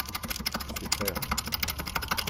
Ses frères.